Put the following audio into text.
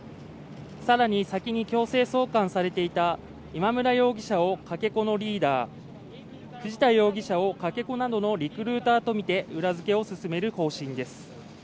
さらに先に強制送還されていた今村容疑者をかけ子のリーダー藤田容疑者をかけ子などのリクルーターとみて裏付けを進める方針です